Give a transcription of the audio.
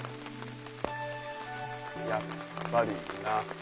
やっぱりな。